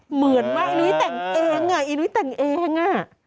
เหมือนว่านุ้ยแต่งเองอ่ะอีนุ้ยแต่งเองอ่ะ